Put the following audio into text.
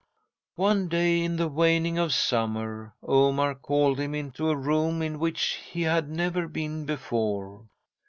"'One day in the waning of summer, Omar called him into a room in which he had never been before.